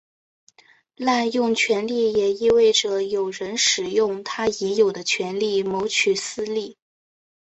滥用权力也意味着有人使用他已有的权力谋取私利。